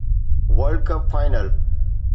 world cup final